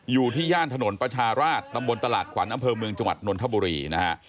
ย่านถนนประชาราชตำบลตลาดขวัญอำเภอเมืองจังหวัดนนทบุรีนะฮะ